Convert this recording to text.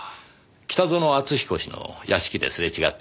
北薗篤彦氏の屋敷ですれ違った時。